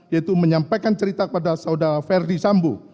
yaitu menyampaikan cerita kepada saudara ferdi sambu